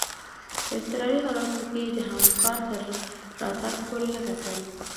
په اضطراري حالاتو کي د همکار تر راتګ پوري نه کتل.